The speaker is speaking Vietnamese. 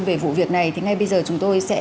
về vụ việc này thì ngay bây giờ chúng tôi sẽ